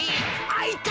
あっいた！